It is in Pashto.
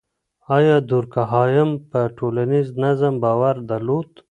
آيا دورکهايم په ټولنيز نظم باور درلود؟